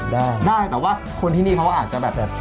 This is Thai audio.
ได้ได้แต่ว่าคนที่นี่เขาอาจจะแบบ